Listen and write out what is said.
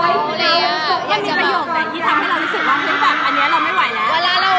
มีประโยคที่ทำให้เรารู้สึกว่าอันนี้เราไม่ไหวแล้ว